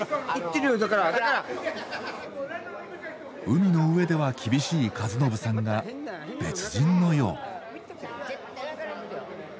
海の上では厳しい和伸さんが別人のよう。